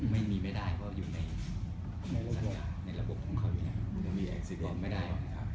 ไม่มีไม่ได้เพราะอยู่ในระบบของเขาอยู่เนี่ย